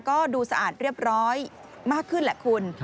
ก็ดูสะอาดเรียบร้อยมากขึ้นแหละคุณ